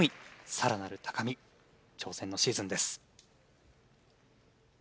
更なる高み挑戦のシーズンです。